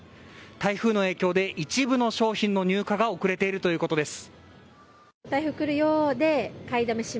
台風の影響で一部の商品の入荷が遅れているということです。